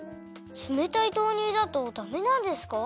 つめたい豆乳だとダメなんですか？